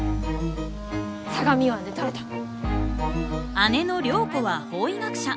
姉の涼子は法医学者。